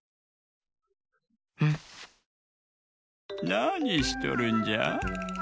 なにしとるんじゃ？